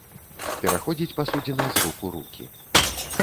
Пераходзіць пасудзіна з рук у рукі.